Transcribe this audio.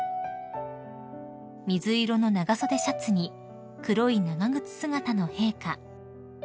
［水色の長袖シャツに黒い長靴姿の陛下］